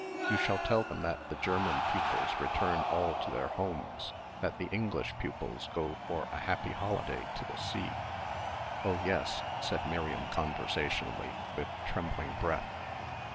You shall tell them that the German pupils return all to their homes; that the English pupils go for a happy holiday to the sea." "Oh yes," said Miriam conversationally, with trembling breath.